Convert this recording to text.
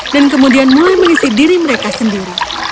dan kemudian mulai mengisi diri mereka sendiri